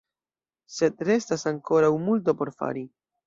Sed restas ankoraŭ multo por fari.